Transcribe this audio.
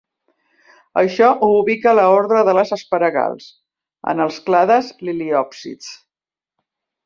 Això ho ubica a l'ordre de les asparagals, en els clades liliòpsids.